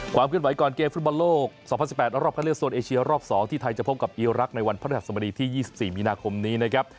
ความเคลื่อนไหวก่อนเกมฟุตบอลโลก๒๐๑๘รอบเข้าเลือกโซนเอเชียรอบ๒ที่ไทยจะพบกับอีรักษ์ในวันพระธรรมดีที่๒๔มีนาคมนี้นะครับ